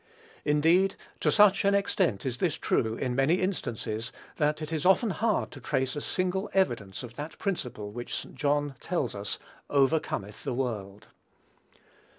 Indeed, to such an extent is this true, in many instances, that it is often hard to trace a single evidence of that principle which St. John tells us "overcometh the world."